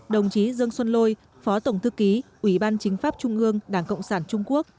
đồng chí dương xuân lôi phó tổng thư ký ủy ban chính pháp trung ương đảng cộng sản trung quốc